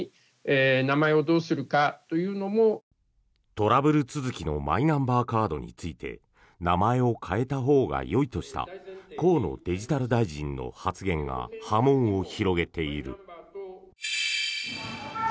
トラブル続きのマイナンバーカードについて名前を変えたほうがよいとした河野デジタル大臣の発言が波紋を広げている。